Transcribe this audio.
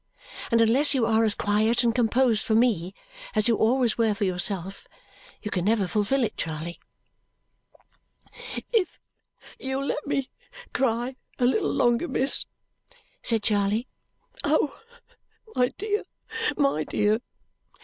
And unless you are as quiet and composed for me as you always were for yourself, you can never fulfil it, Charley." "If you'll let me cry a little longer, miss," said Charley. "Oh, my dear, my dear!